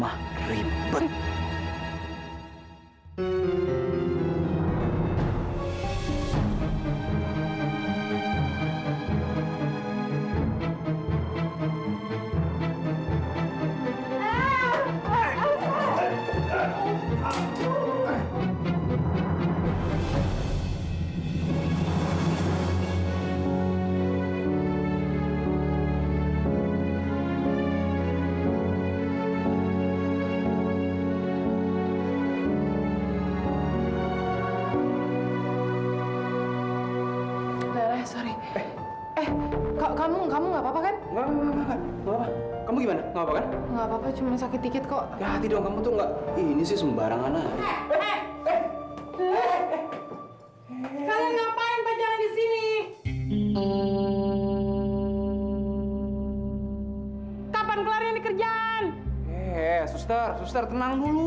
hei suster suster tenang dulu